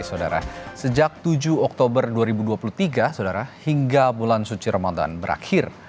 saudara sejak tujuh oktober dua ribu dua puluh tiga saudara hingga bulan suci ramadan berakhir